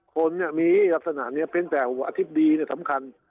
คนเนี่ยมีลักษณะเนี่ยเป็นแต่อาทิตย์ดีเนี่ยสำคัญ